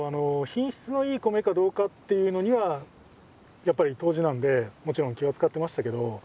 品質のいい米かどうかっていうのにはやっぱり杜氏なんでもちろん気は遣ってましたけど。